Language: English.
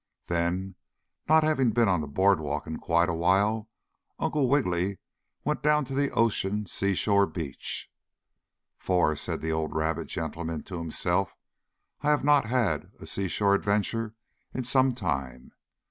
Then, not having been on the board walk in quite a while, Uncle Wiggily went down to the ocean seashore beach. "For," said the old rabbit gentleman to himself, "I have not had a seashore adventure in some time.